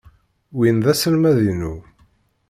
Win d aselmad-inu.